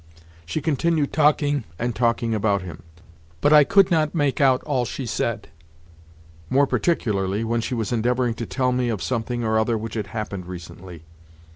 She continued talking and talking about him, but I could not make out all she said—more particularly when she was endeavouring to tell me of something or other which had happened recently.